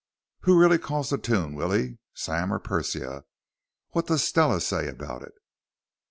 "Who really calls the tune, Willie? Sam or Persia? What does Stella say about it?"